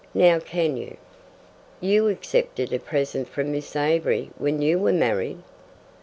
Now, can you?" "You accepted a present from Miss Avery when you were married.